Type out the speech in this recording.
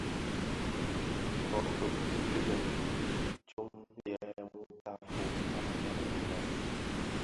Kōki kilènga tsom yè mutafog kpag manyu a bhëg.